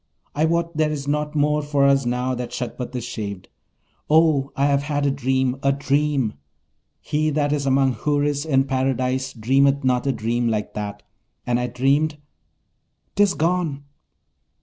I wot there is nought more for us now that Shagpat is shaved! Oh, I have had a dream, a dream! He that is among Houris in Paradise dreameth not a dream like that. And I dreamed 'tis gone!'